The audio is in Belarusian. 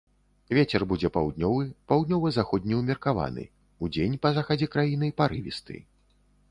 Вецер будзе паўднёвы, паўднёва-заходні ўмеркаваны, удзень па захадзе краіны парывісты.